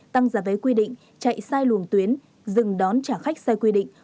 tăng giá vé quy định chạy sai luồng tuyến dừng đón trả khách sai quy định